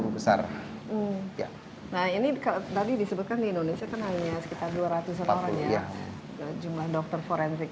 besar ini tadi disebutkan indonesia kenalnya sekitar dua ratus orang yang jumlah dokter forensik